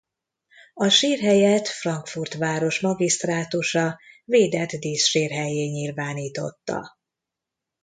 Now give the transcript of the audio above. A sírhelyet Frankfurt város magisztrátusa védett díszsírhellyé nyilvánította.